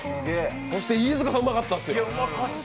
そして飯塚さん、うまかったですよ